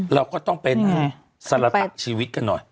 เราก็ต้องเป็นสารตัดชีวิตกันหน่อย